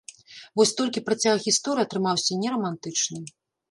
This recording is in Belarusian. Вось толькі працяг гісторыі атрымаўся не рамантычны.